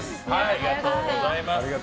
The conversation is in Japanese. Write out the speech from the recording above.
ありがとうございます。